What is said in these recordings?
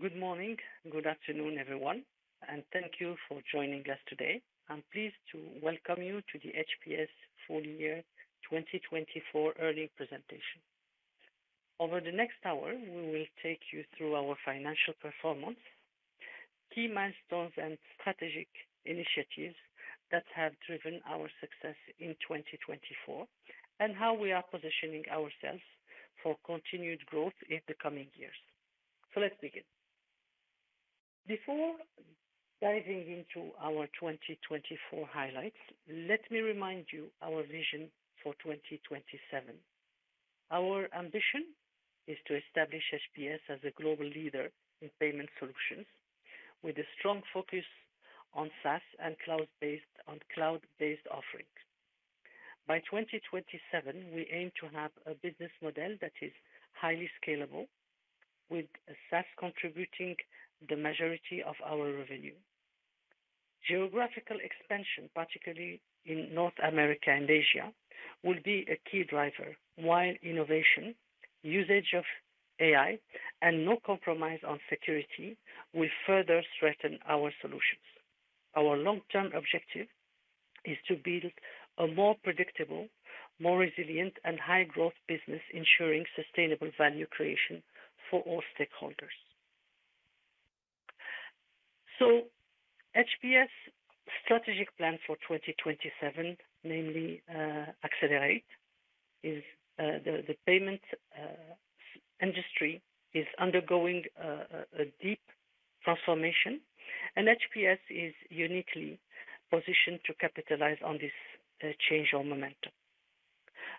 Good morning. Good afternoon, everyone, thank you for joining us today. I'm pleased to welcome you to the HPS full-year 2024 earnings presentation. Over the next hour, we will take you through our financial performance, key milestones and strategic initiatives that have driven our success in 2024, and how we are positioning ourselves for continued growth in the coming years. Let's begin. Before diving into our 2024 highlights, let me remind you our vision for 2027. Our ambition is to establish HPS as a global leader in payment solutions with a strong focus on SaaS and cloud-based offerings. By 2027, we aim to have a business model that is highly scalable with SaaS contributing the majority of our revenue. Geographical expansion, particularly in North America and Asia, will be a key driver. While innovation, usage of AI, and no compromise on security will further strengthen our solutions. Our long-term objective is to build a more predictable, more resilient, and high-growth business ensuring sustainable value creation for all stakeholders. HPS strategic plan for 2027, namely AccelR8, is the payment industry is undergoing a deep transformation, and HPS is uniquely positioned to capitalize on this change or momentum.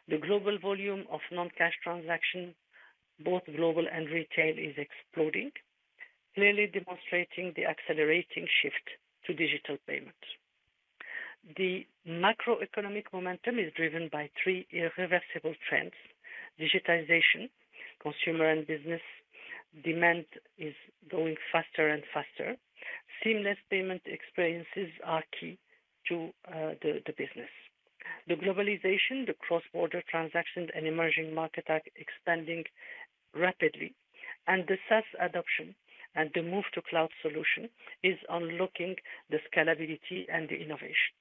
The global volume of non-cash transactions, both global and retail, is exploding, clearly demonstrating the accelerating shift to digital payments. The macroeconomic momentum is driven by three irreversible trends. Digitization, consumer and business demand is growing faster and faster. Seamless payment experiences are key to the business. The globalization, the cross-border transactions and emerging market are expanding rapidly, and the SaaS adoption and the move to cloud solution is unlocking the scalability and the innovation.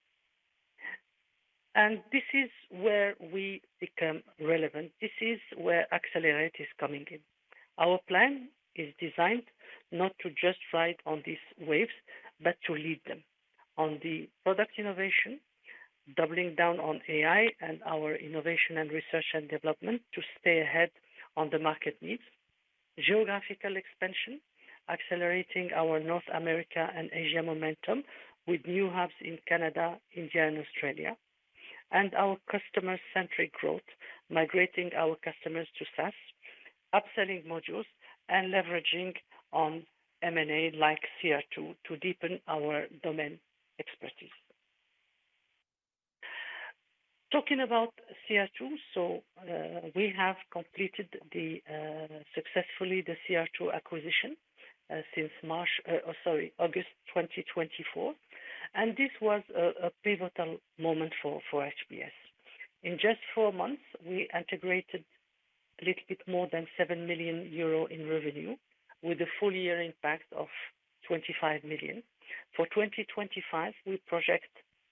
This is where we become relevant. This is where AccelR8 is coming in. Our plan is designed not to just ride on these waves, but to lead them. On the product innovation, doubling down on AI and our innovation and research and development to stay ahead on the market needs. Geographical expansion, accelerating our North America and Asia momentum with new hubs in Canada, India and Australia. Our customer-centric growth, migrating our customers to SaaS, upselling modules and leveraging on M&A like CR2 to deepen our domain expertise. Talking about CR2. We have completed the successfully the CR2 acquisition since March, or sorry, August 2024, this was a pivotal moment for HPS. In just four months, we integrated a little bit more than 7 million euro in revenue with a full-year impact of 25 million. For 2025, we project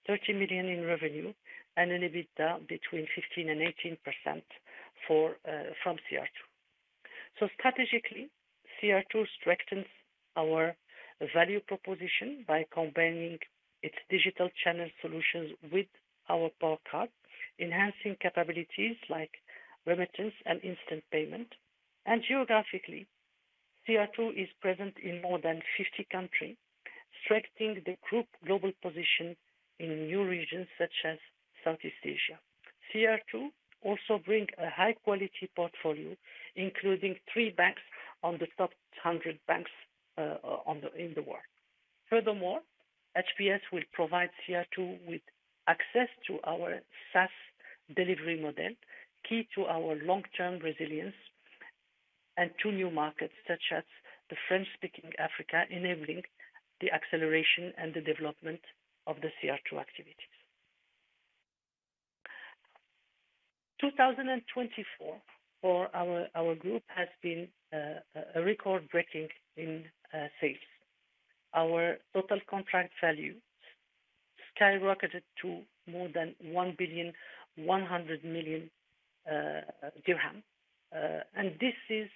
30 million in revenue and an EBITDA between 15%-18% from CR2. Strategically, CR2 strengthens our value proposition by combining its digital channel solutions with our PowerCARD, enhancing capabilities like remittance and instant payment. Geographically, CR2 is present in more than 50 countries, strengthening the group global position in new regions such as Southeast Asia. CR2 also bring a high quality portfolio, including three banks on the top 100 banks in the world. Furthermore, HPS will provide CR2 with access to our SaaS delivery model, key to our long-term resilience and to new markets such as the French-speaking Africa, enabling the acceleration and the development of the CR2 activities. 2024 for our group has been a record-breaking in sales. Our total contract value skyrocketed to more than MAD 1.1 billion. This is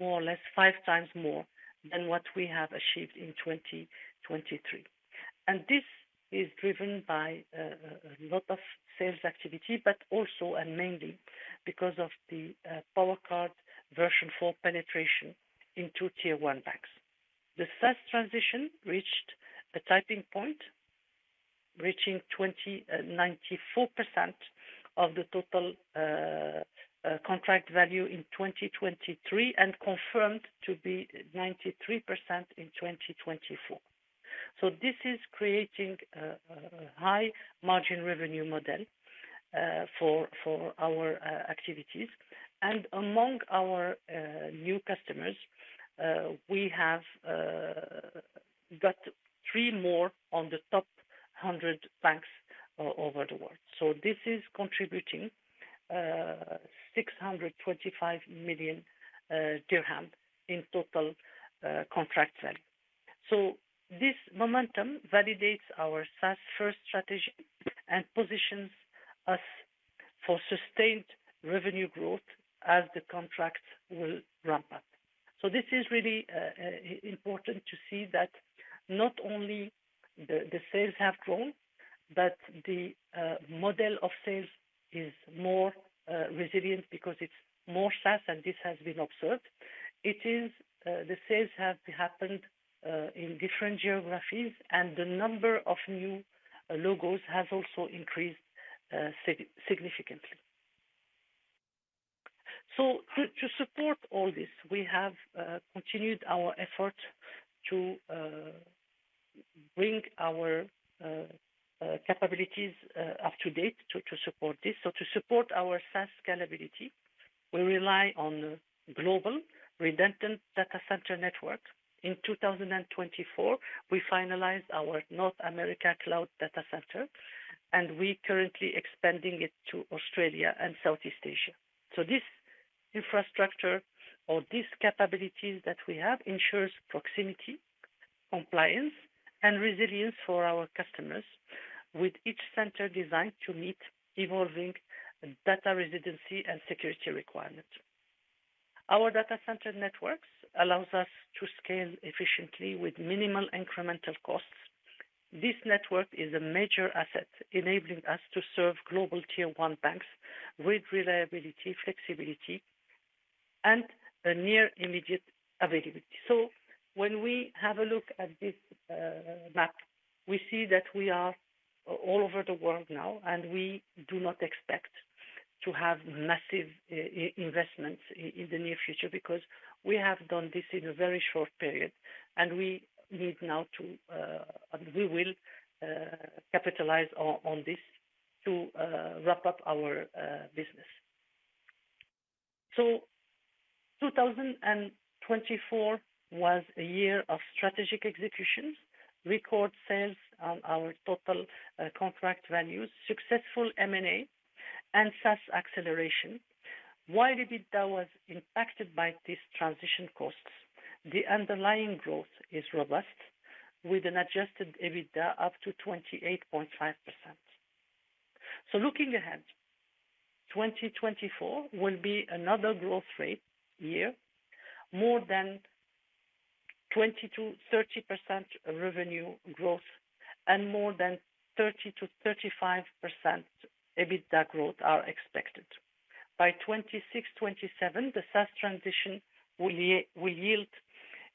more or less five times more than what we have achieved in 2023. This is driven by a lot of sales activity, but also and mainly because of the PowerCARD V4 penetration into Tier 1 banks. The first transition reached a tipping point, reaching 20, 94% of the total contract value in 2023 and confirmed to be 93% in 2024. This is creating a high margin revenue model for our activities. Among our new customers, we have got three more on the top 100 banks over the world. This is contributing MAD 625 million in total contract value. This momentum validates our SaaS first strategy and positions us for sustained revenue growth as the contracts will ramp up. This is really important to see that not only the sales have grown, but the model of sales is more resilient because it's more SaaS and this has been observed. It is the sales have happened in different geographies, and the number of new logos has also increased significantly. To support all this, we have continued our effort to bring our capabilities up to date to support this. To support our SaaS scalability, we rely on global redundant data center network. In 2024, we finalized our North America cloud data center, and we currently expanding it to Australia and Southeast Asia. This infrastructure or these capabilities that we have ensures proximity, compliance, and resilience for our customers with each center designed to meet evolving data residency and security requirements. Our data center networks allows us to scale efficiently with minimal incremental costs. This network is a major asset, enabling us to serve global Tier 1 banks with reliability, flexibility, and a near immediate availability. When we have a look at this map, we see that we are all over the world now, and we do not expect to have massive investments in the near future because we have done this in a very short period, and we need now to, we will capitalize on this to wrap up our business. 2024 was a year of strategic executions, record sales on our total contract values, successful M&A, and SaaS acceleration. While the data was impacted by these transition costs, the underlying growth is robust with an adjusted EBITDA up to 28.5%. Looking ahead, 2024 will be another growth rate year. More than 20%-30% revenue growth and more than 30%-35% EBITDA growth are expected. By 2026, 2027, the SaaS transition will yield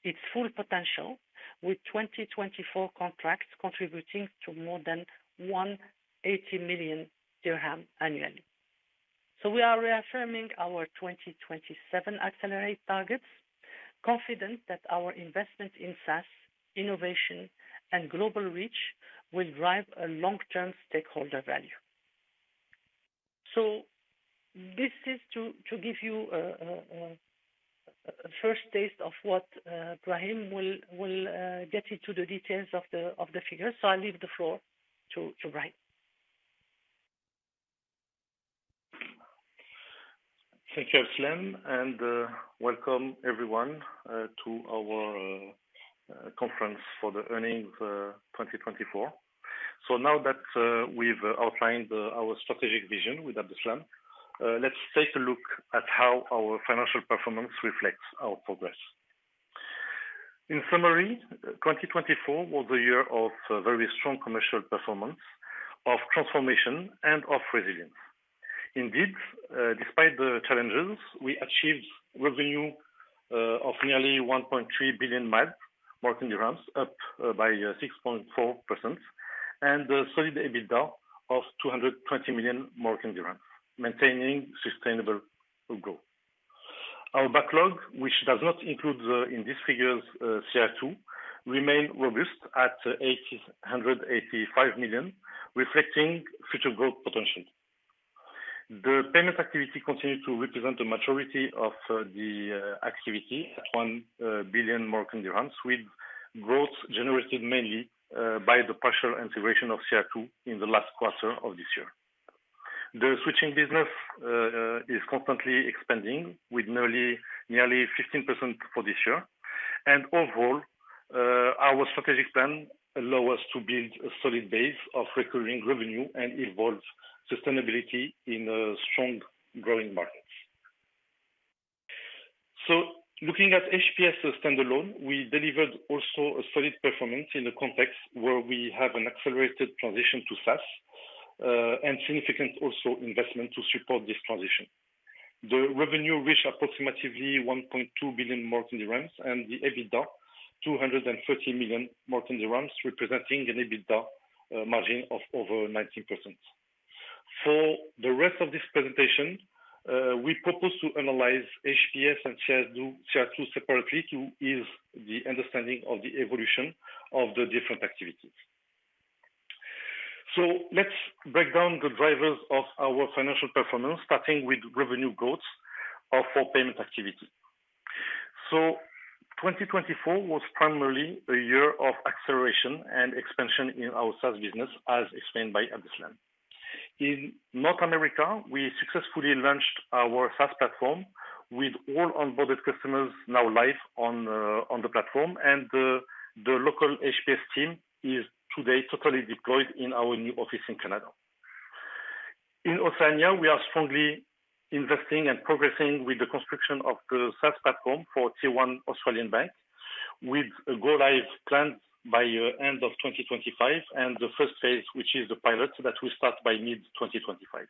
its full potential with 2024 contracts contributing to more than MAD 180 million annually. We are reaffirming our 2027 AccelR8 targets, confident that our investment in SaaS, innovation and global reach will drive a long-term stakeholder value. This is to give you a first taste of what Brahim will get into the details of the figures. I'll leave the floor to Brahim. Thank you, Abdeslam, welcome everyone to our conference for the earnings 2024. Now that we've outlined our strategic vision with Abdeslam, let's take a look at how our financial performance reflects our progress. In summary, 2024 was a year of very strong commercial performance, of transformation, and of resilience. Indeed, despite the challenges, we achieved revenue of nearly MAD 1.3 billion, up by 6.4%, and a solid EBITDA of MAD 220 million, maintaining sustainable growth. Our backlog, which does not include the, in these figures, CR2, remain robust at MAD 885 million, reflecting future growth potential. The payment activity continued to represent the majority of the activity at MAD 1 billion, with growth generated mainly by the partial integration of CR2 in the last quarter of this year. The switching business is constantly expanding with nearly 15% for this year. Overall, our strategic plan allow us to build a solid base of recurring revenue and evolve sustainability in strong growing markets. Looking at HPS standalone, we delivered also a solid performance in a context where we have an accelerated transition to SaaS, and significant also investment to support this transition. The revenue reached approximately MAD 1.2 billion and the EBITDA, MAD 230 million, representing an EBITDA margin of over 19%. For the rest of this presentation, we propose to analyze HPS and CR2 separately to ease the understanding of the evolution of the different activities. Let's break down the drivers of our financial performance, starting with revenue growth of our payment activity. 2024 was primarily a year of acceleration and expansion in our SaaS business, as explained by Abdeslam. In North America, we successfully launched our SaaS platform with all onboarded customers now live on the platform, and the local HPS team is today totally deployed in our new office in Canada. In Oceania, we are strongly investing and progressing with the construction of the SaaS platform for Tier 1 Australian bank, with a go live planned by end of 2025. The first phase, which is the pilot that will start by mid-2025.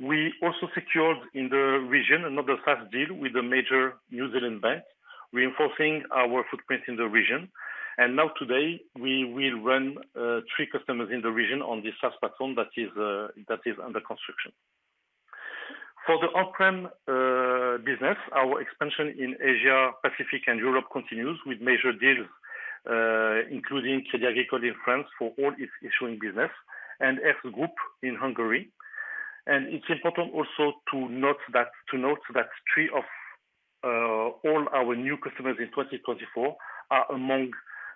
We also secured in the region another SaaS deal with a major New Zealand bank, reinforcing our footprint in the region. Now today we will run three customers in the region on the SaaS platform that is under construction. For the on-prem business, our expansion in Asia, Pacific and Europe continues with major deals, including Crédit Agricole in France for all its issuing business and Erste Group in Hungary. It's important also to note that three of all our new customers in 2024 are among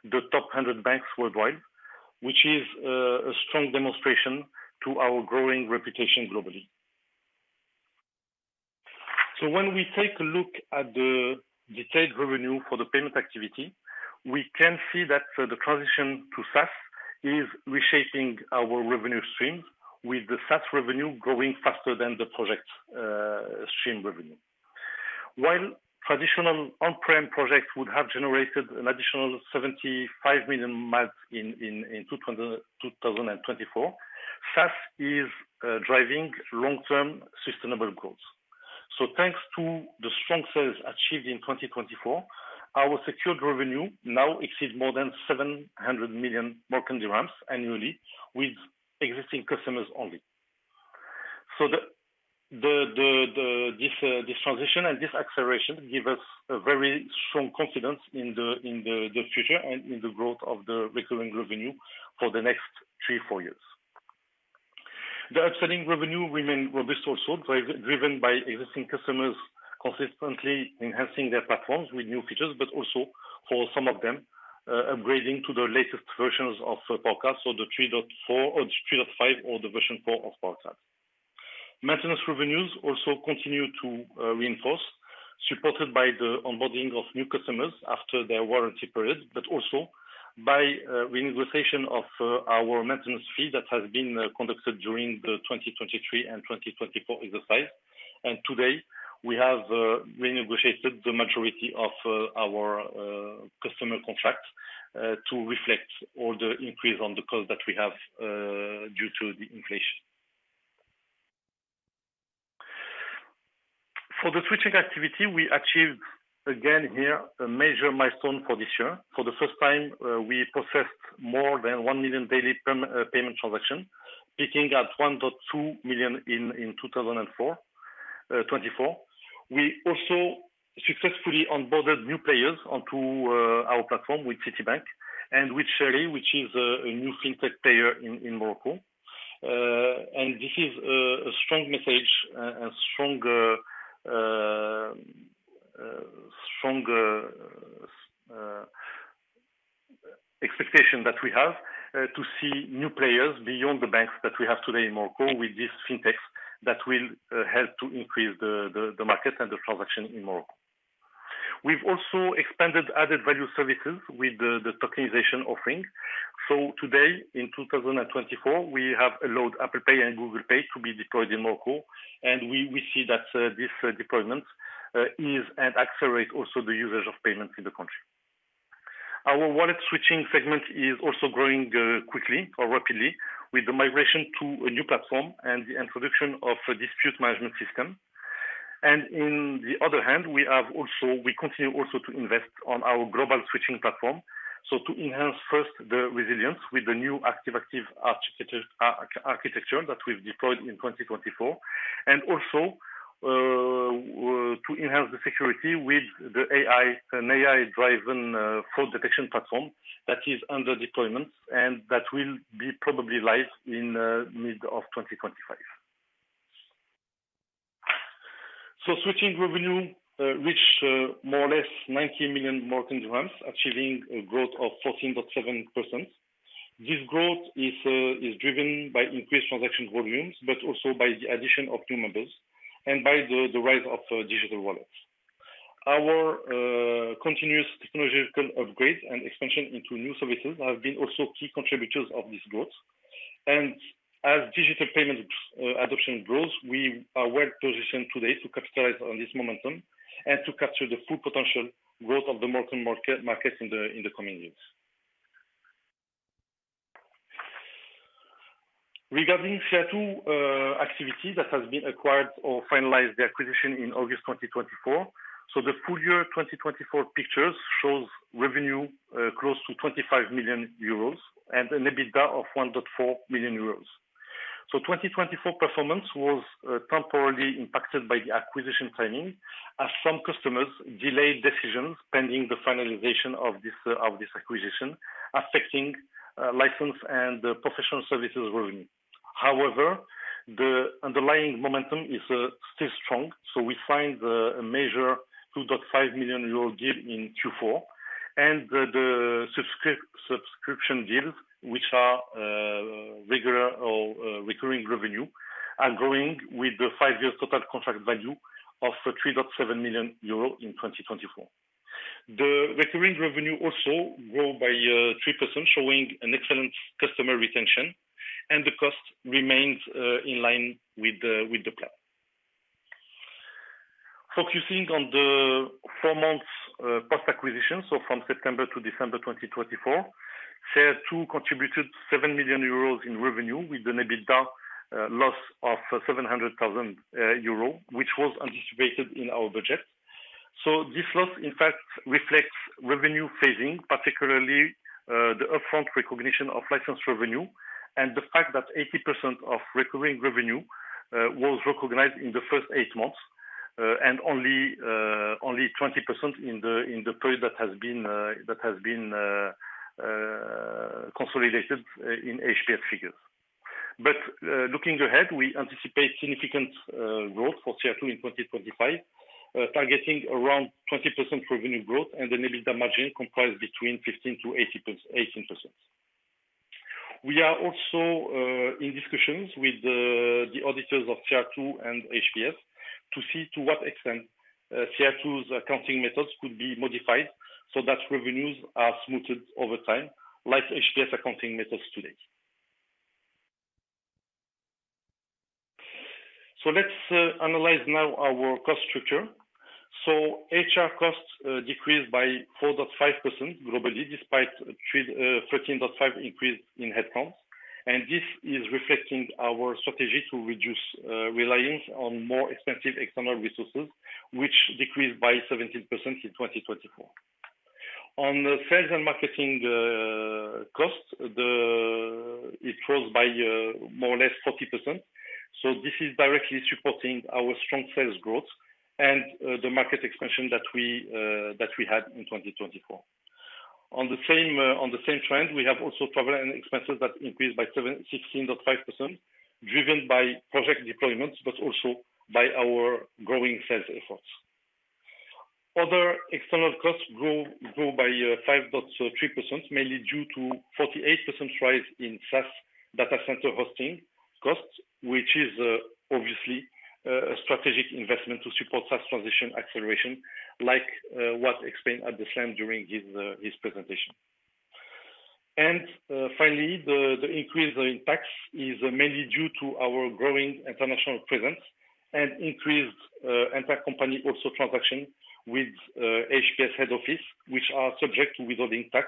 the top 100 banks worldwide, which is a strong demonstration to our growing reputation globally. When we take a look at the detailed revenue for the payment activity, we can see that the transition to SaaS is reshaping our revenue streams, with the SaaS revenue growing faster than the project stream revenue. While traditional on-prem projects would have generated an additional MAD 75 million in 2024, SaaS is driving long-term sustainable growth. Thanks to the strong sales achieved in 2024, our secured revenue now exceeds more than MAD 700 million annually with existing customers only. This transition and this acceleration give us a very strong confidence in the future and in the growth of the recurring revenue for the next three to four years. The upselling revenue remain robust also driven by existing customers consistently enhancing their platforms with new features, but also for some of them, upgrading to the latest versions of PowerCARD or the 3.4 or 3.5, or the V4 of PowerCARD. Maintenance revenues also continue to reinforce, supported by the onboarding of new customers after their warranty period, but also by renegotiation of our maintenance fee that has been conducted during the 2023 and 2024 exercise. Today we have renegotiated the majority of our customer contracts to reflect all the increase on the cost that we have due to the inflation. For the switching activity we achieved again here a major milestone for this year. For the first time, we processed more than one million daily term payment transaction, peaking at 1.2 million in 2024. We also successfully onboarded new players onto our platform with Citibank and with Chari, which is a new Fintech player in Morocco. This is a strong message, a strong expectation that we have to see new players beyond the banks that we have today in Morocco with this fintechs that will help to increase the market and the transaction in Morocco. We've also expanded added value services with the tokenization offering. Today in 2024, we have allowed Apple Pay and Google Pay to be deployed in Morocco, and we see that this deployment ease and accelerate also the usage of payments in the country. Our wallet switching segment is also growing quickly or rapidly with the migration to a new platform and the introduction of a dispute management system. In the other hand, we continue also to invest on our global switching platform. To enhance first the resilience with the new active-active architecture that we've deployed in 2024 and also to enhance the security with an AI driven fraud detection platform that is under deployment and that will be probably live in mid of 2025. Switching revenue reached more or less MAD 90 million, achieving a growth of 14.7%. This growth is driven by increased transaction volumes, but also by the addition of new members and by the rise of digital wallets. Our continuous technological upgrades and expansion into new services have been also key contributors of this growth. As digital payment adoption grows, we are well positioned today to capitalize on this momentum and to capture the full potential growth of the Moroccan market in the coming years. Regarding CR2 activity that has been acquired or finalized the acquisition in August 2024. The full-year 2024 pictures shows revenue close to 25 million euros and an EBITDA of 1.4 million euros. 2024 performance was temporarily impacted by the acquisition timing as some customers delayed decisions pending the finalization of this, of this acquisition, affecting license and professional services revenue. However, the underlying momentum is still strong. We signed the major 2.5 million euro deal in Q4. The subscription deals which are regular or recurring revenue are growing with the five-year total contract value of 3.7 million euro in 2024. The recurring revenue also grow by 3%, showing an excellent customer retention, and the cost remains in line with the plan. Focusing on the four months post-acquisition, from September to December 2024, CR2 contributed 7 million euros in revenue with an EBITDA loss of 700,000 euros, which was anticipated in our budget. This loss, in fact, reflects revenue phasing, particularly the upfront recognition of licensed revenue and the fact that 80% of recurring revenue was recognized in the first eight months and only 20% in the period that has been consolidated in HPS figures. Looking ahead, we anticipate significant growth for CR2 in 2025, targeting around 20% revenue growth and an EBITDA margin comprised between 15%-18%. We are also in discussions with the auditors of CR2 and HPS to see to what extent CR2's accounting methods could be modified so that revenues are smoothed over time, like HPS accounting methods today. Let's analyze now our cost structure. HR costs decreased by 4.5% globally, despite 13.5% increase in headcounts. This is reflecting our strategy to reduce reliance on more expensive external resources, which decreased by 17% in 2024. On the sales and marketing costs, It rose by more or less 40%. This is directly supporting our strong sales growth and the market expansion that we had in 2024. On the same, on the same trend, we have also travel and expenses that increased by 16.5%, driven by project deployments but also by our growing sales efforts. Other external costs grow by 5.3%, mainly due to 48% rise in SaaS data center hosting costs, which is obviously a strategic investment to support SaaS transition acceleration, like what explained Abdeslam during his presentation. Finally, the increase in tax is mainly due to our growing international presence and increased intercompany also transaction with HPS head office, which are subject to withholding tax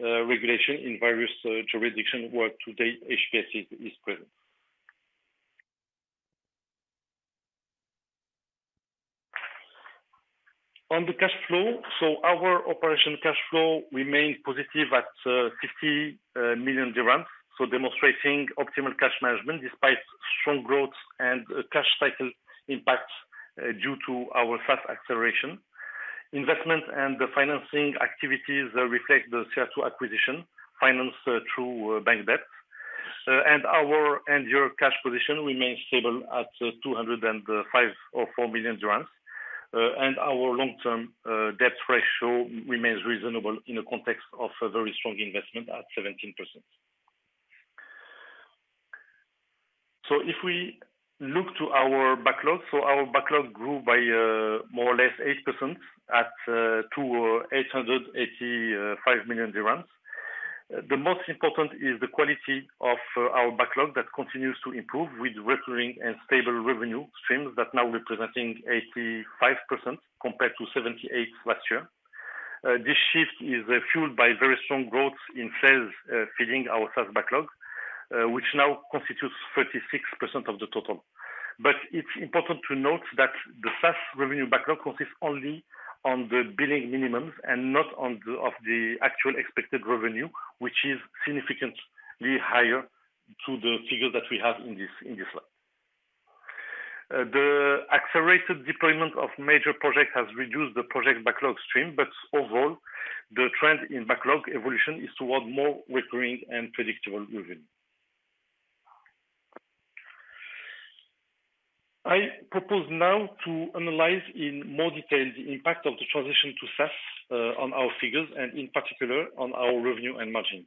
regulation in various jurisdictions where today HPS is present. On the cash flow. Our operation cash flow remains positive at MAD 50 million. Demonstrating optimal cash management despite strong growth and cash cycle impact due to our fast acceleration. Investment and the financing activities reflect the CR2 acquisition financed through bank debt. Our end year cash position remains stable at MAD 205 million or MAD 204 million. Our long-term debt ratio remains reasonable in the context of a very strong investment at 17%. If we look to our backlog. Our backlog grew by more or less 8% to MAD 885 million. The most important is the quality of our backlog that continues to improve with recurring and stable revenue streams that now representing 85% compared to 78% last year. This shift is fueled by very strong growth in sales, feeding our sales backlog, which now constitutes 36% of the total. It's important to note that the SaaS revenue backlog consists only on the billing minimums and not of the actual expected revenue, which is significantly higher to the figure that we have in this slide. The accelerated deployment of major projects has reduced the project backlog stream. Overall, the trend in backlog evolution is toward more recurring and predictable revenue. I propose now to analyze in more detail the impact of the transition to SaaS on our figures and in particular on our revenue and margin.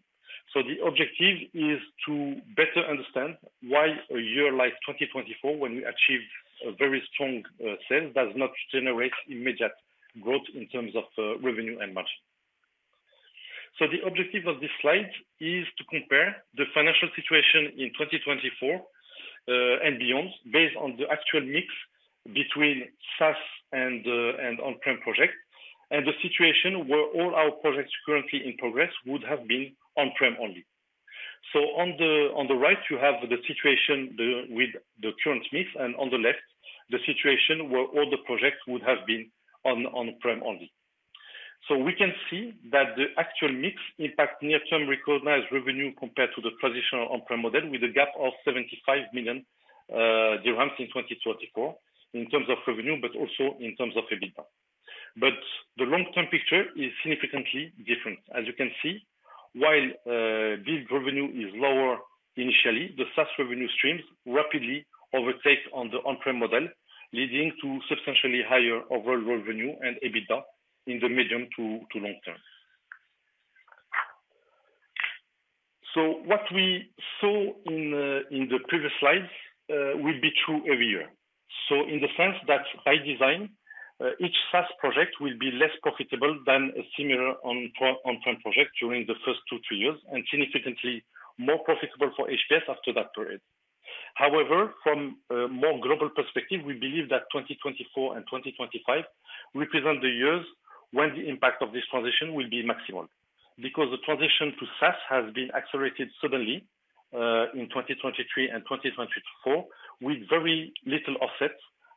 The objective is to better understand why a year like 2024, when we achieved a very strong sales, does not generate immediate growth in terms of revenue and margin. The objective of this slide is to compare the financial situation in 2024 and beyond, based on the actual mix between SaaS and on-prem projects, and the situation where all our projects currently in progress would have been on-prem only. On the right, you have the situation with the current mix, and on the left, the situation where all the projects would have been on-prem only. We can see that the actual mix impact near-term recognized revenue compared to the traditional on-prem model with a gap of MAD 75 million in 2024 in terms of revenue, but also in terms of EBITDA. The long-term picture is significantly different. As you can see, while bill revenue is lower initially, the SaaS revenue streams rapidly overtake on the on-prem model, leading to substantially higher overall revenue and EBITDA in the medium to long term. What we saw in the previous slides will be true every year. In the sense that by design, each SaaS project will be less profitable than a similar on-prem project during the first two to three years, and significantly more profitable for HPS after that period. However, from a more global perspective, we believe that 2024 and 2025 represent the years when the impact of this transition will be maximum. Because the transition to SaaS has been accelerated suddenly in 2023 and 2024, with very little offset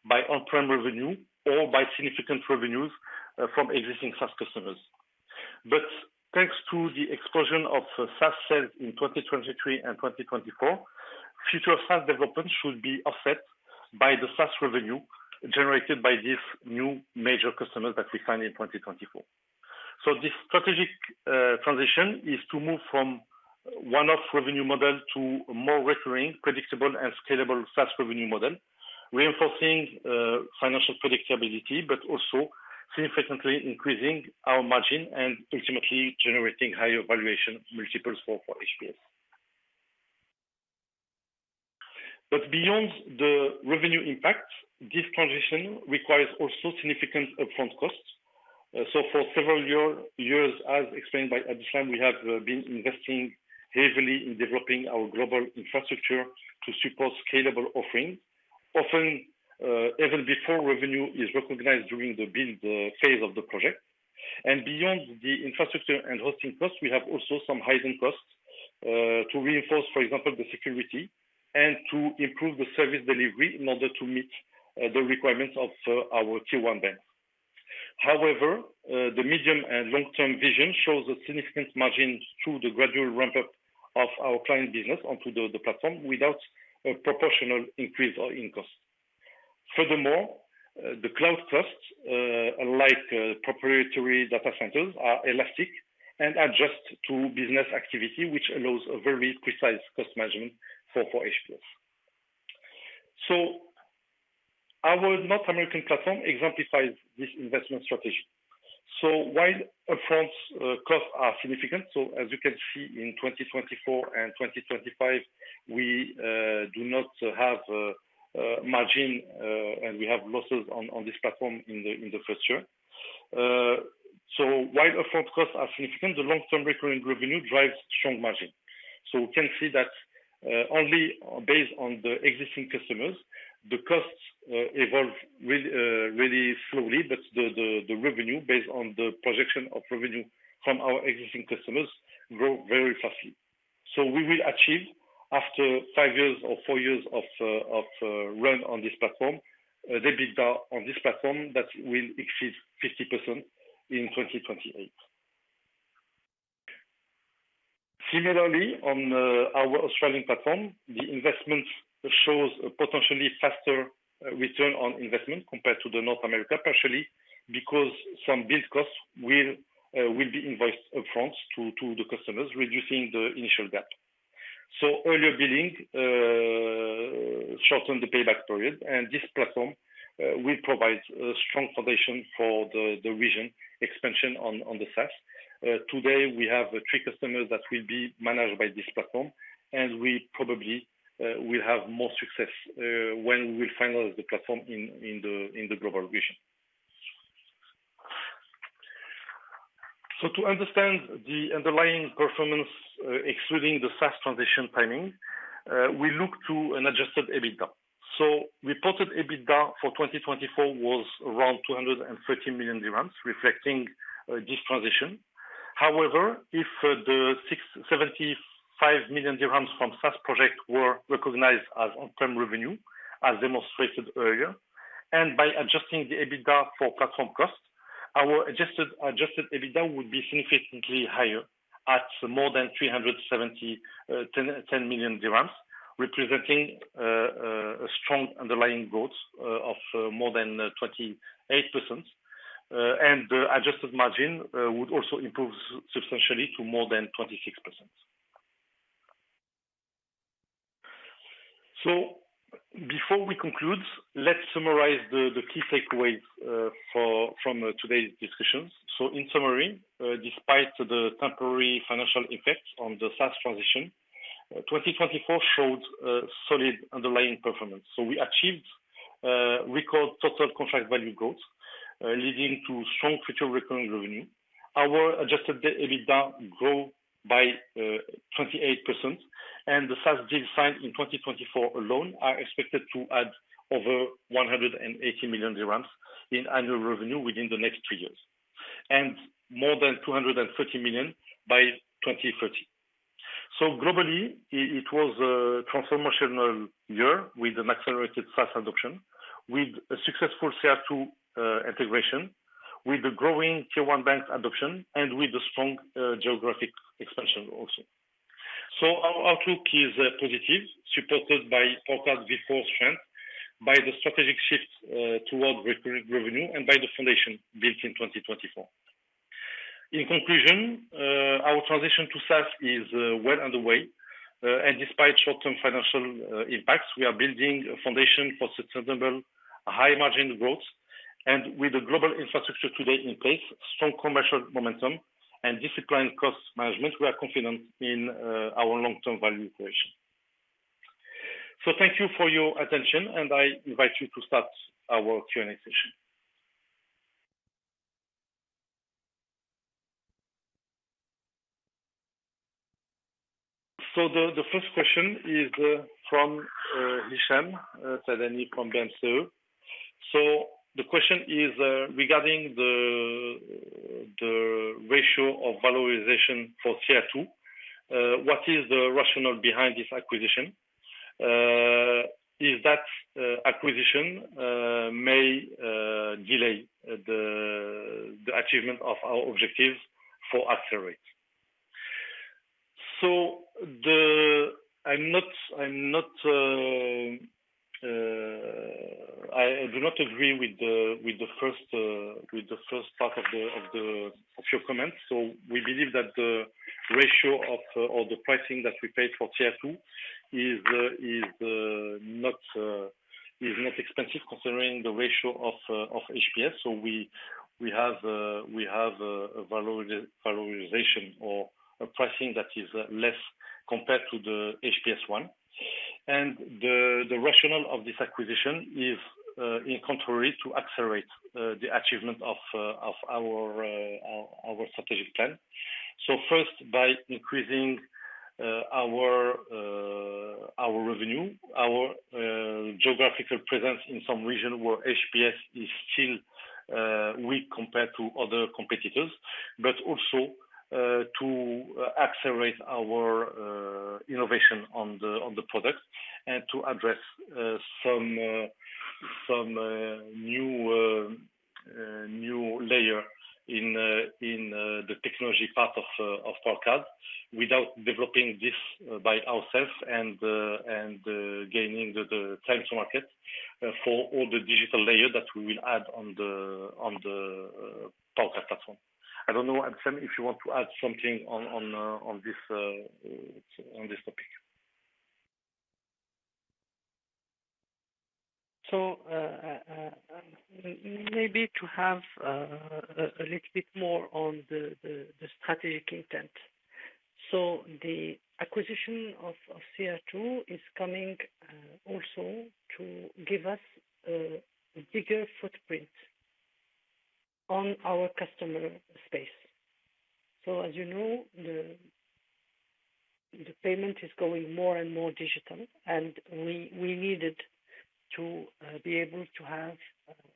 by on-prem revenue or by significant revenues from existing SaaS customers. Thanks to the explosion of SaaS sales in 2023 and 2024, future SaaS development should be offset by the SaaS revenue generated by these new major customers that we sign in 2024. This strategic transition is to move from one-off revenue model to a more recurring, predictable, and scalable SaaS revenue model, reinforcing financial predictability, but also significantly increasing our margin and ultimately generating higher valuation multiples for HPS. Beyond the revenue impact, this transition requires also significant upfront costs. For several years, as explained by Abdeslam, we have been investing heavily in developing our global infrastructure to support scalable offering. Often, even before revenue is recognized during the build phase of the project. Beyond the infrastructure and hosting costs, we have also some hidden costs to reinforce, for example, the security and to improve the service delivery in order to meet the requirements of our Tier 1 banks. However, the medium and long-term vision shows a significant margin through the gradual ramp-up of our client business onto the platform without a proportional increase or in cost. Furthermore, the cloud costs, unlike proprietary data centers, are elastic and adjust to business activity, which allows a very precise cost management for HPS. Our North American platform exemplifies this investment strategy. While upfront costs are significant, as you can see in 2024 and 2025, we do not have margin, and we have losses on this platform in the first year. While upfront costs are significant, the long-term recurring revenue drives strong margin. We can see that, only based on the existing customers, the costs evolve really slowly, but the revenue based on the projection of revenue from our existing customers grow very fastly. We will achieve after five years or four years of run on this platform, the EBITDA on this platform that will exceed 50% in 2028. Similarly, on our Australian platform, the investment shows a potentially faster return on investment compared to North America, partially because some business costs will be invoiced upfront to the customers, reducing the initial gap. Earlier billing shortened the payback period, and this platform will provide a strong foundation for the region expansion on the SaaS. Today, we have three customers that will be managed by this platform, and we probably will have more success when we finalize the platform in the global region. To understand the underlying performance, excluding the SaaS transition timing, we look to an adjusted EBITDA. Reported EBITDA for 2024 was around MAD 230 million, reflecting this transition. However, if the MAD 75 million from SaaS project were recognized as on-prem revenue, as demonstrated earlier, and by adjusting the EBITDA for platform costs, our adjusted EBITDA would be significantly higher at more than MAD 370 million, representing a strong underlying growth of more than 28%. And the adjusted margin would also improve substantially to more than 26%. Before we conclude, let's summarize the key takeaways from today's discussions. In summary, despite the temporary financial effects on the SaaS transition, 2024 showed a solid underlying performance. We achieved record total contract value growth, leading to strong future recurring revenue. Our adjusted EBITDA grow by 28%, and the SaaS deals signed in 2024 alone are expected to add over MAD 180 million in annual revenue within the next three years, and more than MAD 230 million by 2030. Globally, it was a transformational year with an accelerated SaaS adoption, with a successful CR2 integration, with the growing Tier 1 banks adoption, and with the strong geographic expansion also. Our outlook is positive, supported by PowerCARD V4 strength, the strategic shift towards recurring revenue, and by the foundation built in 2024. In conclusion, our transition to SaaS is well underway. Despite short-term financial impacts, we are building a foundation for sustainable high margin growth. With the global infrastructure today in place, strong commercial momentum and disciplined cost management, we are confident in our long-term value creation. Thank you for your attention, and I invite you to start our Q&A session. The first question is from Hicham Saadani from BMCE. The question is regarding the ratio of valorization for CR2. What is the rationale behind this acquisition? Is that acquisition may delay the achievement of our objectives for AccelR8? I'm not, I'm not, I do not agree with the first, with the first part of your comments. We believe that the ratio of the pricing that we paid for CR2 is not expensive considering the ratio of HPS. We have, we have a valorization or a pricing that is less compared to the HPS one. The rationale of this acquisition is in contrary to accelerate the achievement of our, our strategic plan. First, by increasing our revenue, our geographical presence in some region where HPS is still weak compared to other competitors, but also to accelerate our innovation on the product and to address some new layer in the technology part of PowerCARD without developing this by ourselves and gaining the time to market for all the digital layer that we will add on the PowerCARD platform. I don't know, Abdeslam, if you want to add something on this topic. Maybe to have a little bit more on the strategic intent. The acquisition of CR2 is coming also to give us a bigger footprint on our customer space. As you know, the payment is going more and more digital, and we needed to be able to have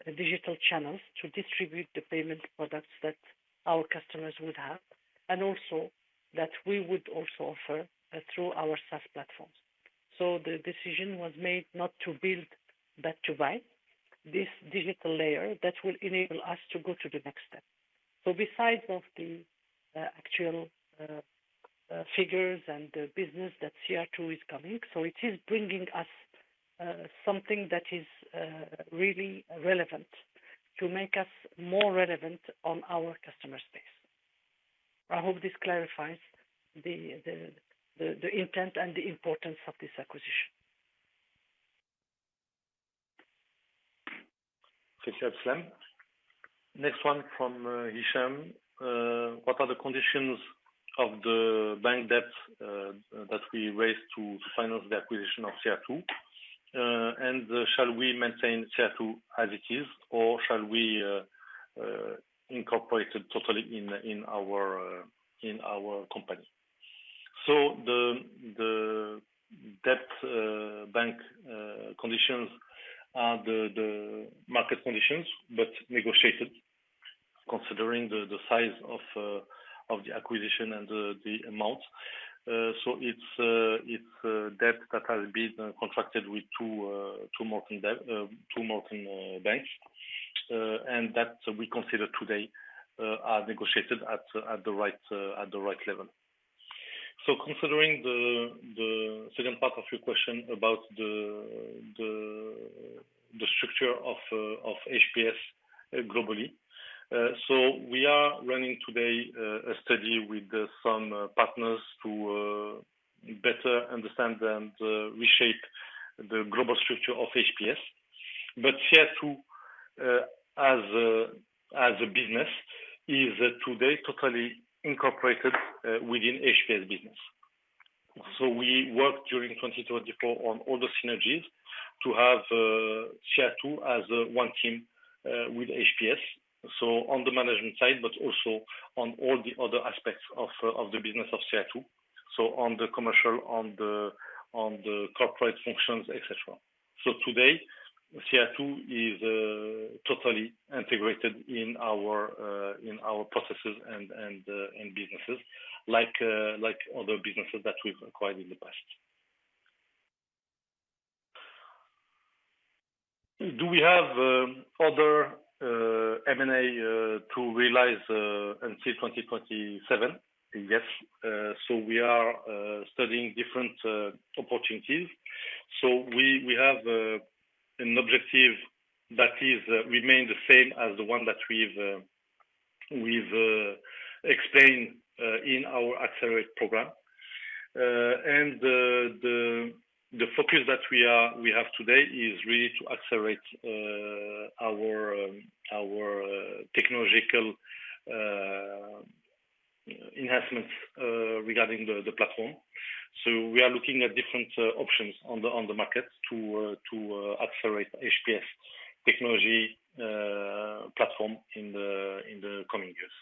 a digital channels to distribute the payment products that our customers would have, and also that we would also offer through our SaaS platforms. The decision was made not to build but to buy this digital layer that will enable us to go to the next step. Besides of the actual figures and the business that CR2 is coming, so it is bringing us something that is really relevant to make us more relevant on our customer space. I hope this clarifies the intent and the importance of this acquisition. Thank you, Abdeslam. Next one from Hicham. What are the conditions of the bank debt that we raised to finance the acquisition of CR2? Shall we maintain CR2 as it is, or shall we incorporate it totally in our company? The debt bank conditions are the market conditions, but negotiated considering the size of the acquisition and the amount. It's debt that has been contracted with two more than banks. That we consider today are negotiated at the right level. Considering the second part of your question about the structure of HPS globally. We are running today a study with some partners to better understand and reshape the global structure of HPS. CR2, as a business, is today totally incorporated within HPS business. We worked during 2024 on all the synergies to have CR2 as one team with HPS. On the management side, but also on all the other aspects of the business of CR2. On the commercial, on the corporate functions, etc. Today, CR2 is totally integrated in our in our processes and in businesses like other businesses that we've acquired in the past. Do we have other M&A to realize until 2027? Yes. We are studying different opportunities. We have an objective that remain the same as the one that we've explained in our AccelR8 program. The focus that we have today is really to accelerate our technological enhancements regarding the platform. We are looking at different options on the market to accelerate HPS technology platform in the coming years.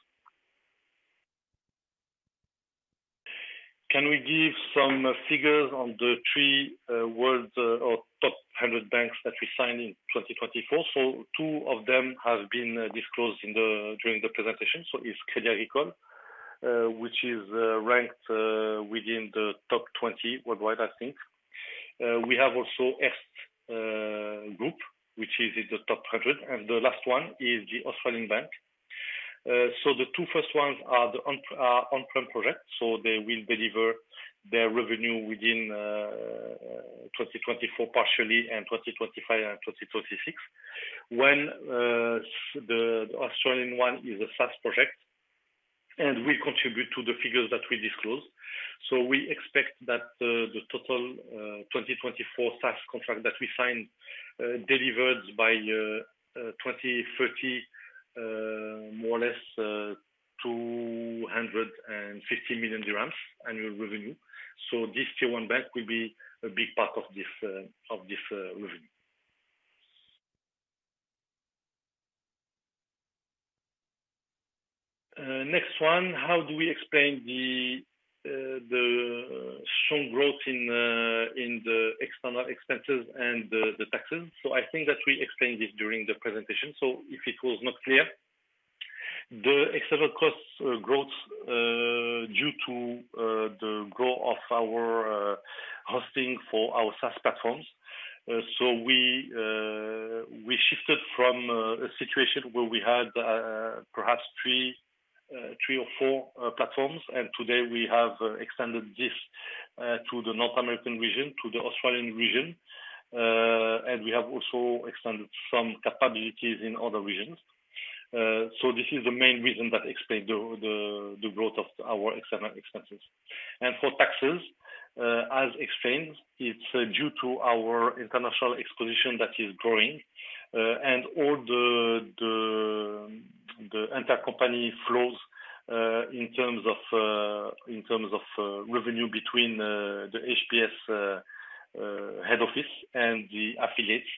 Can we give some figures on the three world or top 100 banks that we signed in 2024? Two of them have been disclosed during the presentation. It's Crédit Agricole, which is ranked within the top 20 worldwide, I think. We have also Erste Group, which is in the top 100. The last one is the Australian Bank. The two first ones are the on-prem projects, so they will deliver their revenue within 2024 partially, and 2025, and 2026. The Australian one is a SaaS project, and will contribute to the figures that we disclose. We expect that the total 2024 SaaS contract that we signed, delivered by 2030, more or less, MAD 250 million annual revenue. This Tier 1 bank will be a big part of this, of this revenue. Next one. How do we explain the strong growth in the external expenses and the taxes? I think that we explained this during the presentation. If it was not clear, the external costs growth, due to the growth of our hosting for our SaaS platforms. We shifted from a situation where we had perhaps three or four platforms. Today we have extended this to the North American region, to the Australian region. We have also extended some capabilities in other regions. This is the main reason that explain the growth of our external expenses. For taxes, as explained, it's due to our international exposition that is growing, and all the intercompany flows in terms of revenue between the HPS head office and the affiliates.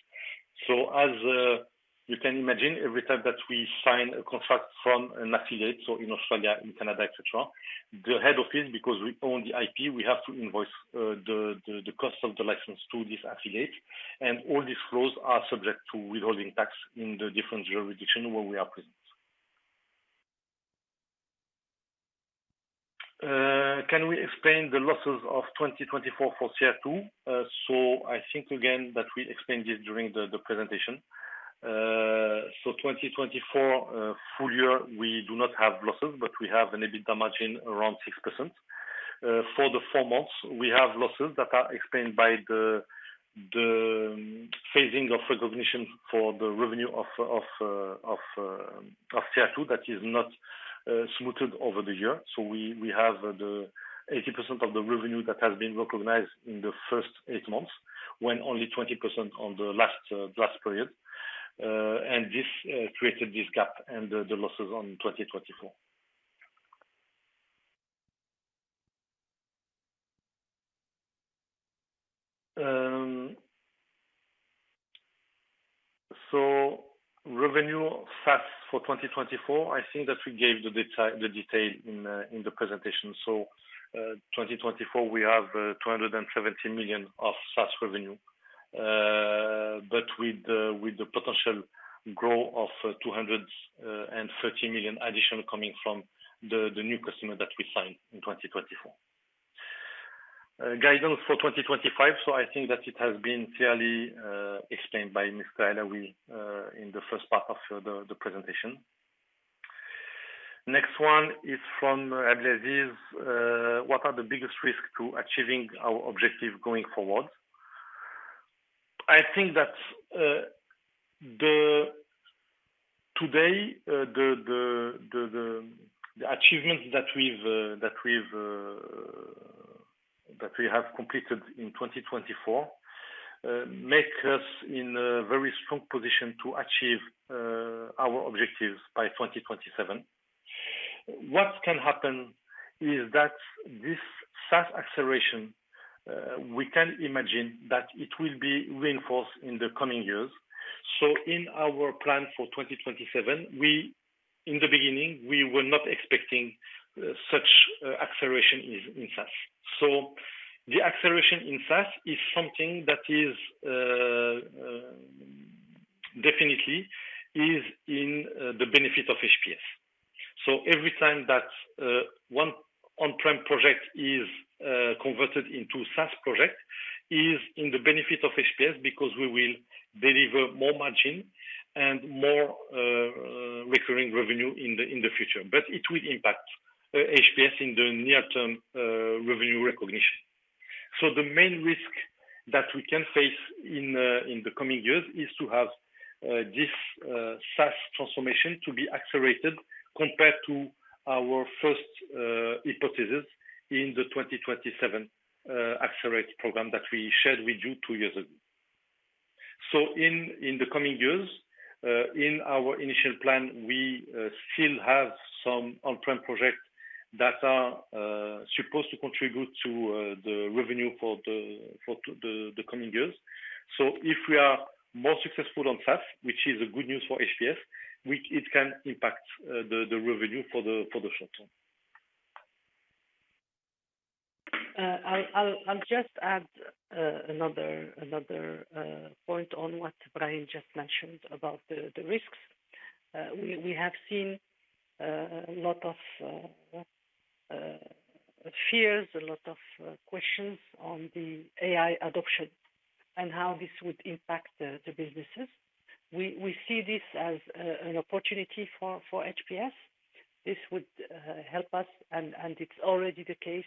As you can imagine, every time that we sign a contract from an affiliate, so in Australia, in Canada, et cetera, the head office, because we own the IP, we have to invoice the cost of the license to this affiliate. All these flows are subject to withholding tax in the different jurisdictions where we are present. Can we explain the losses of 2024 for CR2? I think again that we explained it during the presentation. 2024 full-year, we do not have losses, but we have an EBITDA margin around 6%. For the four months, we have losses that are explained by the phasing of recognition for the revenue of CR2 that is not smoothed over the year. We have the 80% of the revenue that has been recognized in the first eight months, when only 20% on the last period. This created this gap and the losses on 2024. Revenue SaaS for 2024, I think that we gave the detail in the presentation. 2024, we have MAD 270 million of SaaS revenue. With the potential growth of MAD 230 million additional coming from the new customer that we signed in 2024. Guidance for 2025. I think that it has been clearly explained by Mr. Alaoui in the first part of the presentation. Next one is from Abdelaziz. What are the biggest risks to achieving our objective going forward? I think that today, the achievements that we've that we have completed in 2024 make us in a very strong position to achieve our objectives by 2027. What can happen is that this SaaS acceleration, we can imagine that it will be reinforced in the coming years. In our plan for 2027, in the beginning, we were not expecting such acceleration in SaaS. The acceleration in SaaS is something that is definitely in the benefit of HPS. Every time that one on-prem project is converted into SaaS project is in the benefit of HPS because we will deliver more margin and more recurring revenue in the future. It will impact HPS in the near term revenue recognition. The main risk that we can face in the coming years is to have this SaaS transformation to be accelerated compared to our first hypothesis in the 2027 AccelR8 program that we shared with you two years ago. In the coming years, in our initial plan, we still have some on-prem projects that are supposed to contribute to the revenue for the coming years. If we are more successful on SaaS, which is a good news for HPS, it can impact the revenue for the short term. I'll just add another point on what Brahim just mentioned about the risks. We have seen a lot of fears, a lot of questions on the AI adoption and how this would impact the businesses. We see this as an opportunity for HPS. This would help us and it's already the case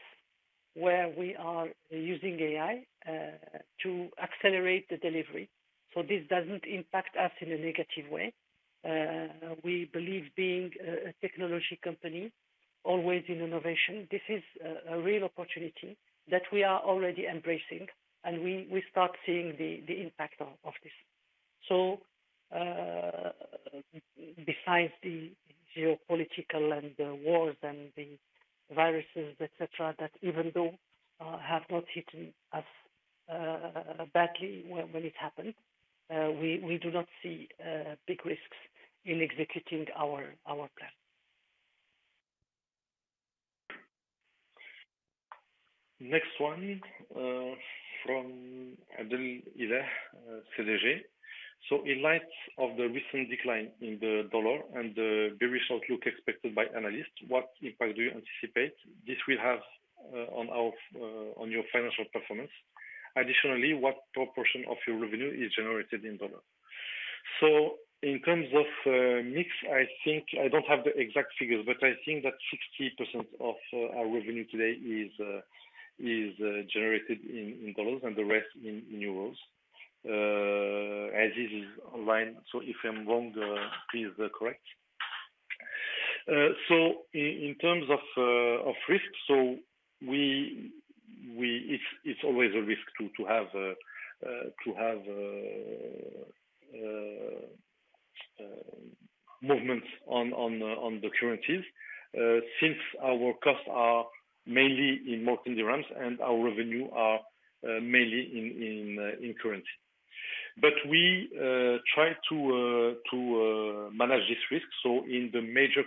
where we are using AI to accelerate the delivery. This doesn't impact us in a negative way. We believe being a technology company always in innovation, this is a real opportunity that we are already embracing and we start seeing the impact of this. Besides the geopolitical and the wars and the viruses, et cetera, that even though have not hit us badly when it happened, we do not see big risks in executing our plan. Next one, from Abdelillah from CDG. In light of the recent decline in the dollar and the very short look expected by analysts, what impact do you anticipate this will have on our, on your financial performance? Additionally, what proportion of your revenue is generated in USD? In terms of mix, I think I don't have the exact figures, but I think that 60% of our revenue today is generated in dollars and the rest in euros. Aziz is online, so if I'm wrong, please correct. In terms of risk, we it's always a risk to have movements on the currencies, since our costs are mainly in maintenance and our revenue are mainly in currency. We try to manage this risk. In the major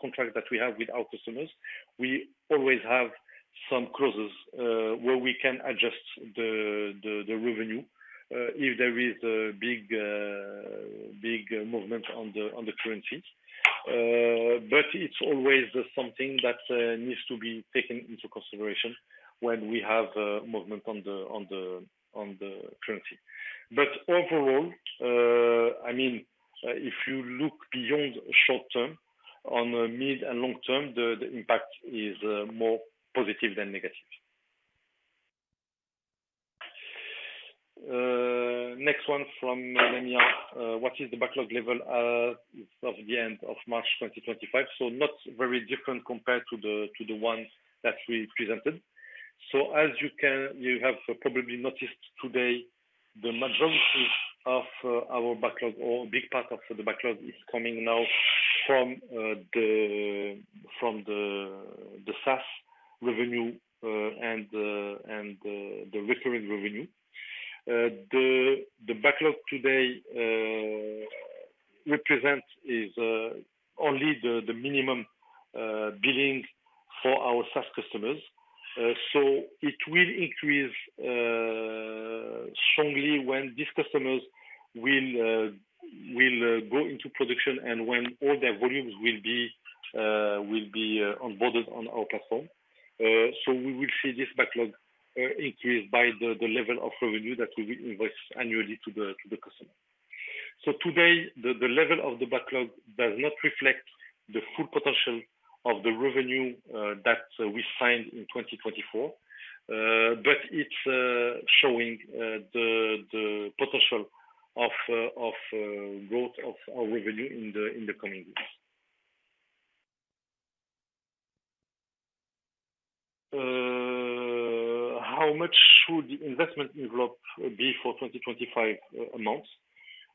contract that we have with our customers, we always have some clauses where we can adjust the revenue if there is a big movement on the currencies. It's always something that needs to be taken into consideration when we have a movement on the currency. Overall, I mean, if you look beyond short term, on the mid and long term, the impact is more positive than negative. Next one from Lamia. What is the backlog level of the end of March 2025? Not very different compared to the ones that we presented. As you have probably noticed today, the majority of our backlog or big part of the backlog is coming now from the SaaS revenue and the recurring revenue. The backlog today represent is only the minimum billing for our SaaS customers. It will increase strongly when these customers will go into production and when all their volumes will be onboarded on our platform. We will see this backlog increase by the level of revenue that we will invoice annually to the customer. Today, the level of the backlog does not reflect the full potential of the revenue that we signed in 2024. But it's showing the potential of growth of our revenue in the coming years. How much should the investment envelope be for 2025 amounts?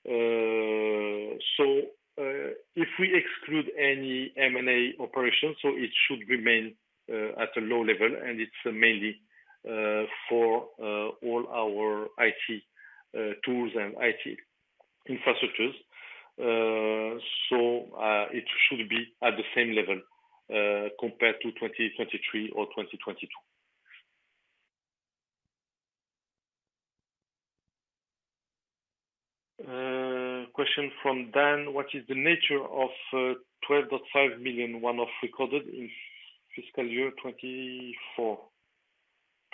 If we exclude any M&A operations, it should remain at a low level, and it's mainly for all our IT tools and IT infrastructures. It should be at the same level compared to 2023 or 2022. Question from Dan. What is the nature of MAD 12.5 million one-off recorded in FY 2024?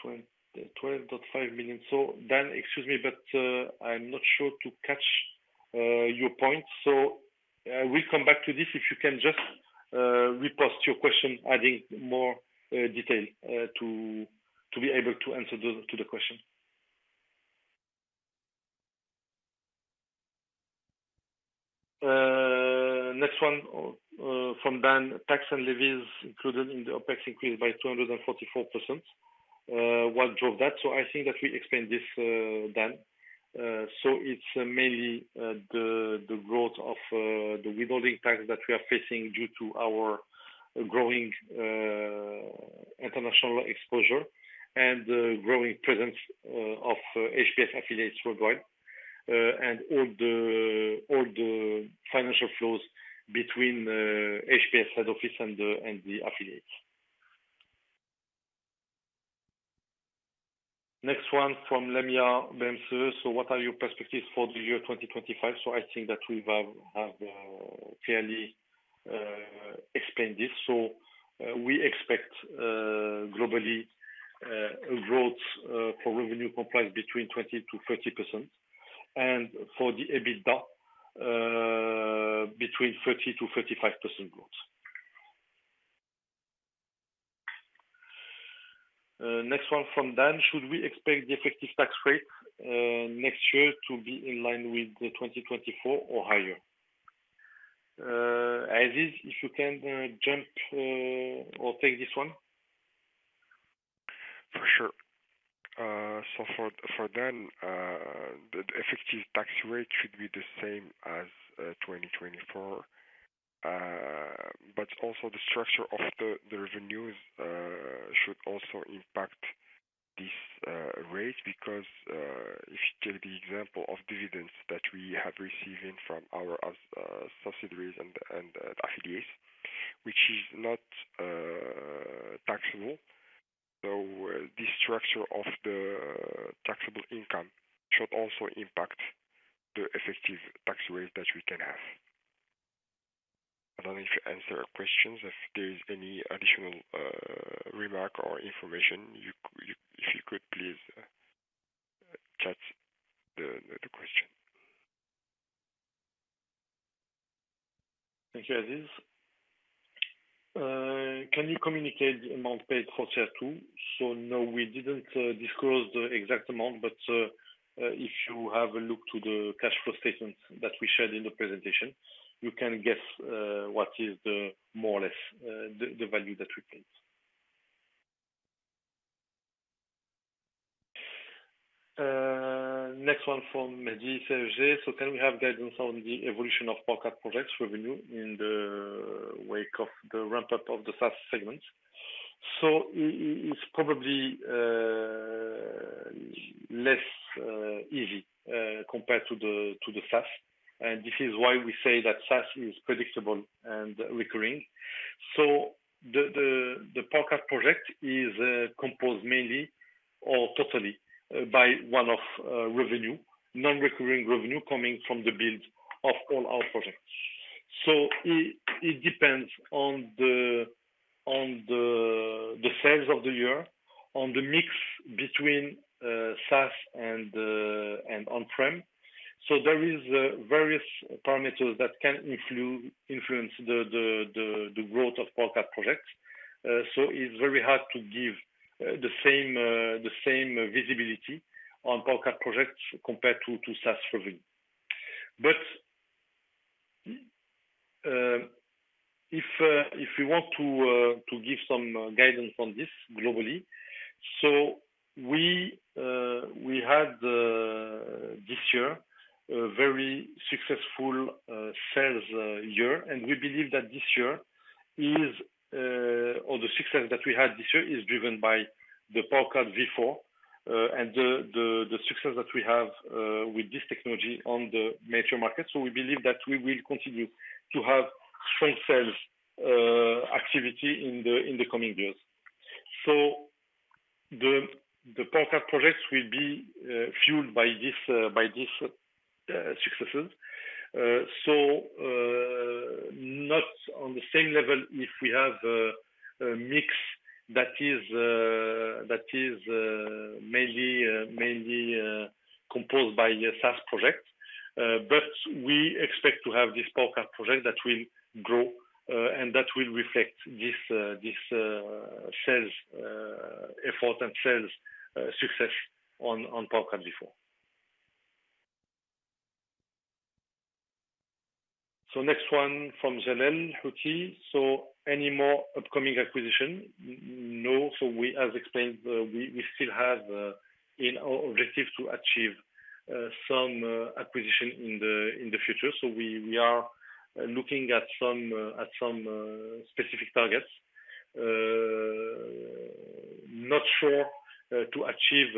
MAD 12.5 million. Dan, excuse me, but I'm not sure to catch your point. We come back to this. If you can just repost your question adding more detail to be able to answer to the question. Next one from Dan. Tax and levies included in the OpEx increased by 244%. What drove that? I think that we explained this, Dan. It's mainly the growth of the withholding tax that we are facing due to our growing international exposure and the growing presence of HPS affiliates worldwide. And all the financial flows between HPS head office and the affiliates. Next one from Lamia Benyoussef. What are your perspectives for the year 2025? I think that we have fairly explained this. We expect globally growth for revenue compliance between 20%-30%. For the EBITDA between 30%-35% growth. Next one from Dan. Should we expect the effective tax rate next year to be in line with the 2024 or higher? Aziz, if you can jump or take this one. For sure. For, for Dan, the effective tax rate should be the same as 2024. Also the structure of the revenues should also impact this rate because if you take the example of dividends that we have received in from our subsidiaries and affiliates, which is not taxable. This structure of the taxable income should also impact the effective tax rate that we can have. I don't know if you answer questions. If there is any additional remark or information, you, if you could please chat the question. Thank you, Aziz. Can you communicate the amount paid for CR2? No, we didn't disclose the exact amount, but if you have a look to the cash flow statement that we shared in the presentation, you can guess what is the more or less the value that we paid. Next one from Medy Serge. Can we have guidance on the evolution of PowerCARD projects revenue in the wake of the ramp-up of the SaaS segment? It's probably less easy compared to the SaaS. This is why we say that SaaS is predictable and recurring. The PowerCARD project is composed mainly or totally by one-off revenue, non-recurring revenue coming from the build of all our projects. It depends on the sales of the year, on the mix between SaaS and on-prem. There are various parameters that can influence the growth of PowerCARD projects. It's very hard to give the same visibility on PowerCARD projects compared to SaaS revenue. If you want to give some guidance on this globally. We had this year a very successful sales year. We believe that this year is, or the success that we had this year is driven by the PowerCARD V4, and the success that we have with this technology on the major markets. We believe that we will continue to have strong sales activity in the coming years. The PowerCARD projects will be fueled by this successes. Not on the same level if we have a mix that is mainly composed by a SaaS project. We expect to have this PowerCARD project that will grow and that will reflect this sales effort and sales success on PowerCARD V4. Next one from Zenel Hoti. Any more upcoming acquisition? No. We have explained, we still have in our objective to achieve some acquisition in the future. We are looking at some specific targets. Not sure to achieve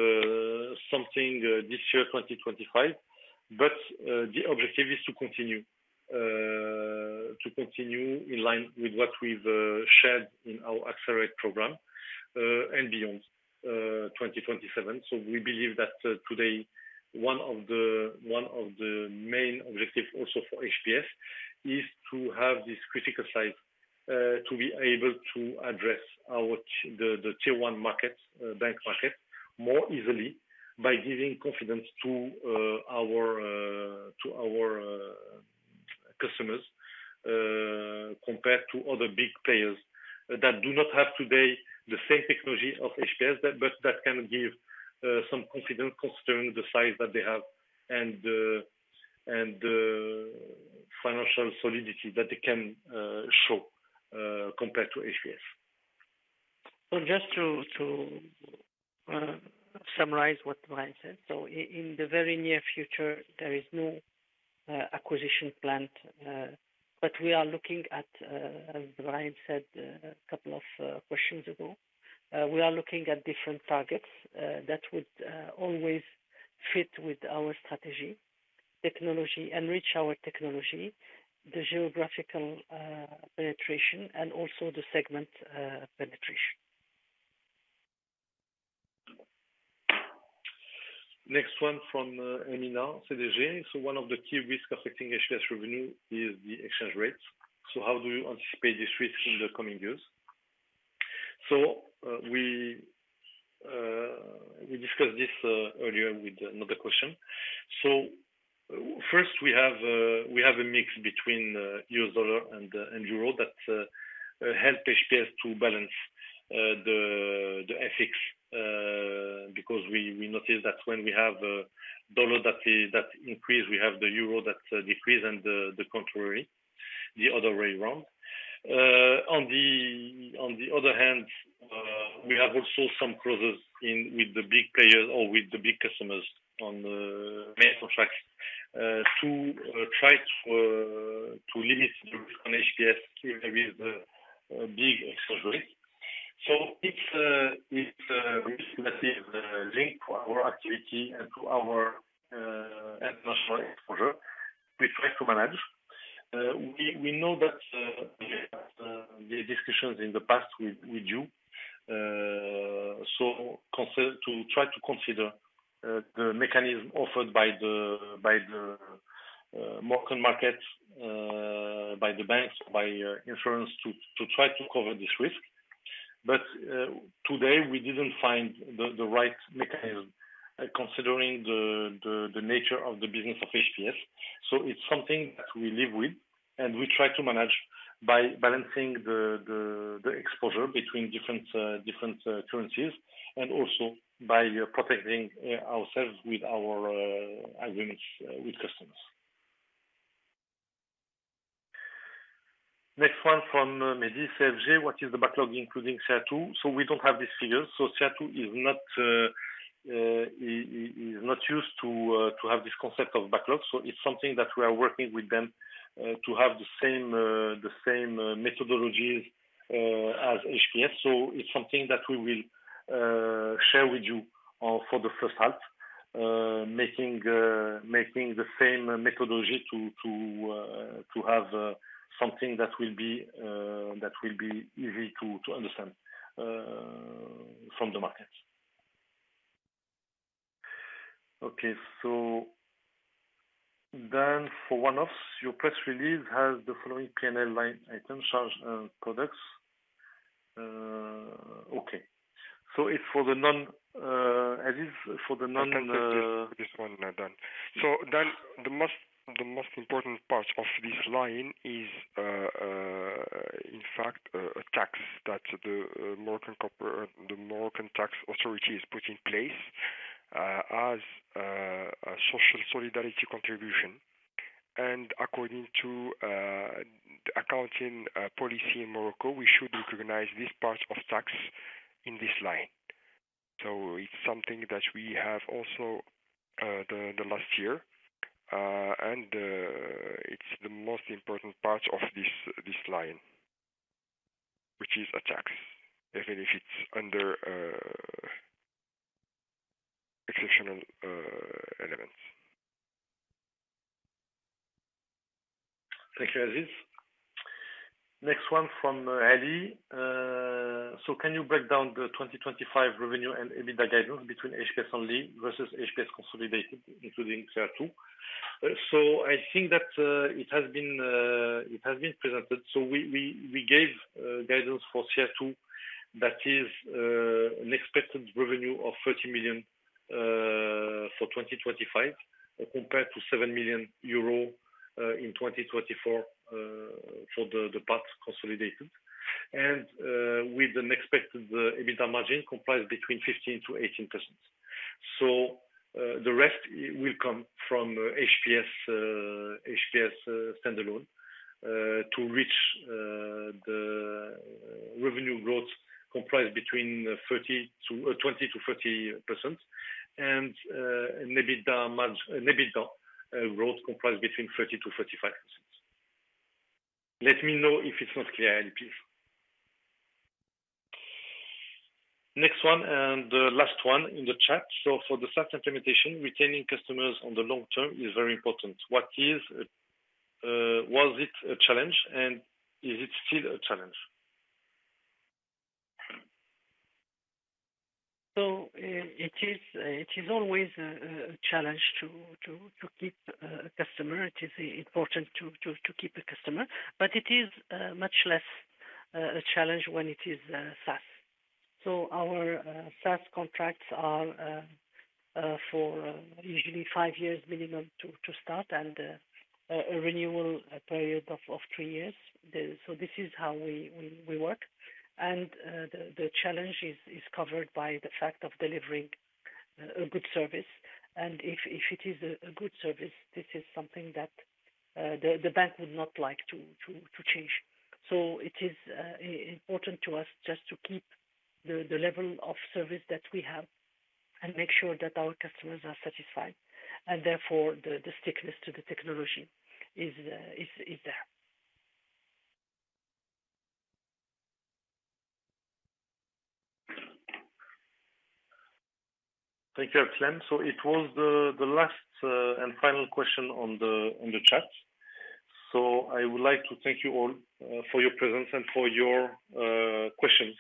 something this year, 2025, but the objective is to continue in line with what we've shared in our AccelR8 program and beyond 2027. We believe that today one of the main objective also for HPS is to have this critical size to be able to address our Tier 1 market bank market more easily by giving confidence to our to our customers compared to other big players that do not have today the same technology of HPS but that can give some confidence considering the size that they have and financial solidity that they can show compared to HPS. Just to summarize what Brahim said. In the very near future, there is no acquisition planned, but we are looking at, as Brahim said a couple of questions ago, we are looking at different targets that would always fit with our strategy, technology, enrich our technology, the geographical penetration, and also the segment penetration. Next one from Amina from CDG. One of the key risks affecting HPS revenue is the exchange rates. How do you anticipate this risk in the coming years? We discussed this earlier with another question. First we have a mix between U.S. dollar and euro that help HPS to balance the FX because we noticed that when we have dollar that increase, we have the euro that decrease and the contrary, the other way around. On the other hand, we have also some clauses in with the big players or with the big customers on main contracts to try to limit the risk on HPS with big exposure rates. It's a risk that is linked to our activity and to our international exposure we try to manage. We know that we had the discussions in the past with you, to try to consider the mechanism offered by the Moroccan market, by the banks, by insurance to try to cover this risk. Today we didn't find the right mechanism, considering the nature of the business of HPS. It's something that we live with and we try to manage by balancing the exposure between different currencies and also by protecting ourselves with our agreements with customers. Next one from Mehdi from CDG. What is the backlog including CR2? We don't have these figures. CR2 is not used to have this concept of backlog. It's something that we are working with them to have the same methodologies as HPS. It's something that we will share with you for the first half, making the same methodology to have something that will be easy to understand from the market. Okay. Then for one-offs, your press release has the following P&L line item charge and products. It's for the non, as is for the non. I can take this one, Dan. The most important part of this line is, in fact, a tax that the Moroccan tax authority has put in place as a social solidarity contribution. According to accounting policy in Morocco, we should recognize this part of tax in this line. It's something that we have also the last year, and it's the most important part of this line, which is a tax, even if it's under exceptional elements. Thank you, Aziz. Next one from Ali. Can you break down the 2025 revenue and EBITDA guidance between HPS only versus HPS consolidated including CR2? I think that it has been presented. We gave guidance for CR2 that is an expected revenue of 30 million for 2025 compared to 7 million euro in 2024 for the part consolidated. With an expected EBITDA margin comprised between 15%-18%. The rest will come from HPS standalone to reach the revenue growth comprised between 20%-30% and an EBITDA growth comprised between 30%-35%. Let me know if it's not clear, Ali, please. Next one and the last one in the chat. For the SaaS implementation, retaining customers on the long term is very important. Was it a challenge and is it still a challenge? It is, it is always a challenge to keep a customer. It is important to keep a customer, but it is much less a challenge when it is SaaS. Our SaaS contracts are for usually five years minimum to start and a renewal period of three years. This is how we work. The challenge is covered by the fact of delivering a good service. If it is a good service, this is something that the bank would not like to change. It is important to us just to keep the level of service that we have and make sure that our customers are satisfied, and therefore the stickiness to the technology is there. Thank you, Abdeslam. It was the last, and final question on the, on the chat. I would like to thank you all, for your presence and for your, questions.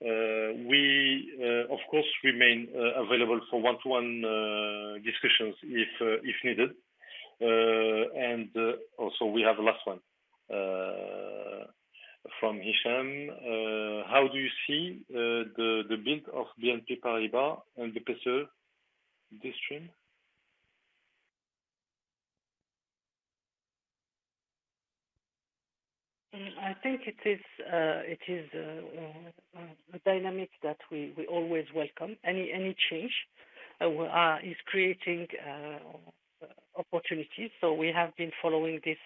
We, of course, remain, available for one-to-one, discussions if needed. Also we have last one, from Hicham. How do you see, the build of BNP Paribas on the PCRE district? I think it is a dynamic that we always welcome. Any change is creating opportunities. We have been following this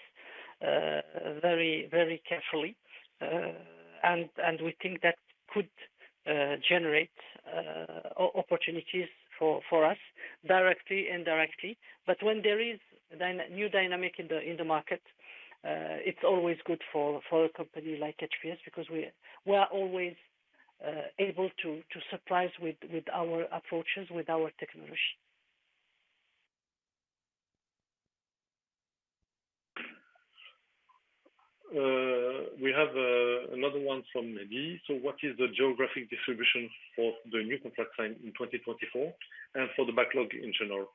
very, very carefully. We think that could generate opportunities for us directly, indirectly. When there is new dynamic in the market, it's always good for a company like HPS because we are always able to surprise with our approaches, with our technology. We have another one from Mehdi. What is the geographic distribution for the new contract signed in 2024 and for the backlog in general?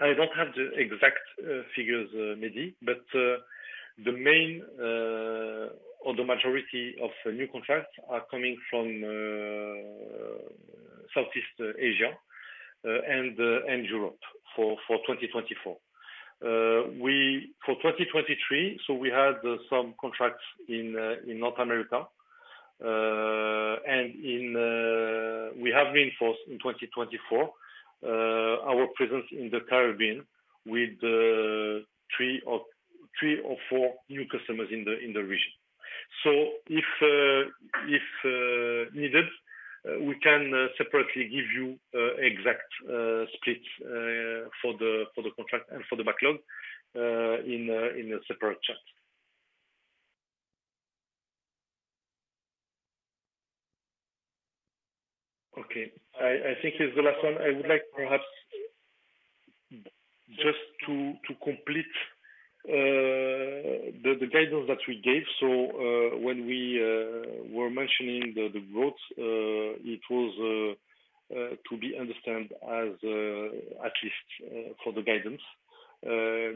I don't have the exact figures, Mehdi, but the main or the majority of the new contracts are coming from Southeast Asia and Europe for 2024. For 2023, we had some contracts in North America. We have reinforced in 2024 our presence in the Caribbean with three or four new customers in the region. If needed, we can separately give you exact splits for the contract and for the backlog in a separate chat. Okay. I think it's the last one. I would like perhaps just to complete the guidance that we gave. When we were mentioning the growth, it was to be understood as at least for the guidance,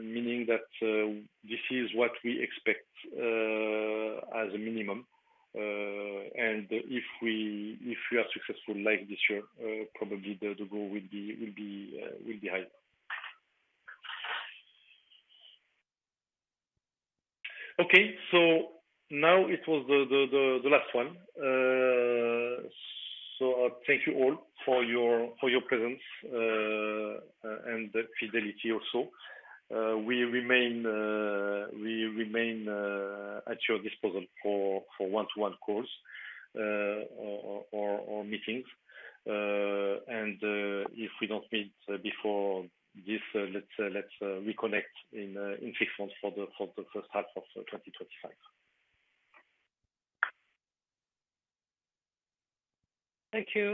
meaning that this is what we expect as a minimum. If we are successful like this year, probably the growth will be high. Okay. Now it was the last one. Thank you all for your presence and fidelity also. We remain at your disposal for one-to-one calls or meetings. If we don't meet before this, let's, we connect in six months for the, for the first half of 2025. Thank you.